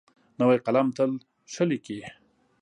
نوی قلم تل ښه لیکي.